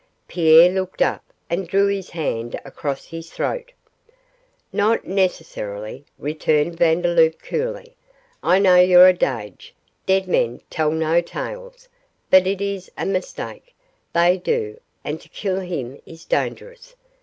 Pierre looked up and drew his hand across his throat. 'Not necessarily,' returned Vandeloup, coolly; 'I know your adage, "dead men tell no tales," but it is a mistake they do, and to kill him is dangerous.